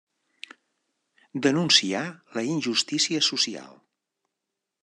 Denuncià la injustícia social.